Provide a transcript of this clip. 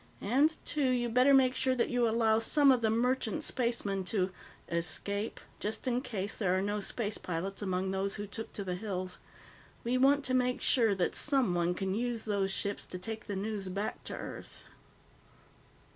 "And, too, you'd better make sure that you allow some of the merchant spacemen to 'escape,' just in case there are no space pilots among those who took to the hills. We want to make sure that someone can use those ships to take the news back to Earth."